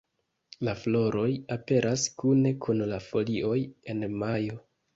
La floroj aperas kune kun la folioj en majo.